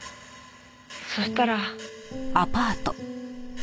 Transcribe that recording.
そしたら。